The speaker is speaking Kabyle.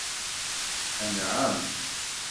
Anɛam?